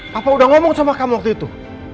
papa udah ngomong sama kamu waktu itu